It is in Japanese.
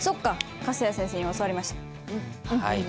はい。